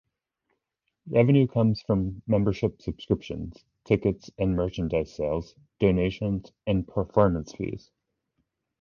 Revenue comes from membership subscriptions, ticket and merchandise sales, donations, and performance fees.